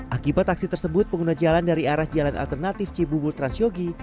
akibat aksi tersebut pengguna jalan dari arah jalan alternatif cibubur transyogi